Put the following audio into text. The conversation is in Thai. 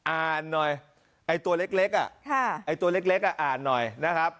อ่านหน่อยไอ้ตัวเล็กอ่ะไอ้ตัวเล็กอ่ะอ่านหน่อยนะครับ